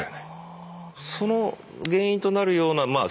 その原因となるようなまあ